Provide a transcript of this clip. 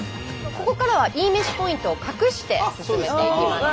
ここからはいいめしポイントを隠して進めていきます。